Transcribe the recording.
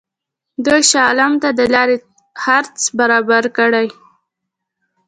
دوی شاه عالم ته د لارې خرڅ برابر کړي.